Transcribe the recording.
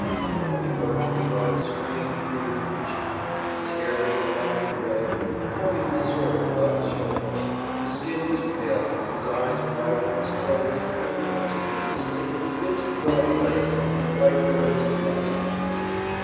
Barnaby Rudge grew up a strange, weird creature. His hair was long and red and hung in disorder about his shoulders. His skin was pale, his eyes bright and his clothes he trimmed most curiously with bits of gaudy lace and bright ribbons and glass toys.